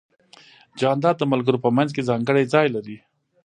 جانداد د ملګرو په منځ کې ځانګړی ځای لري.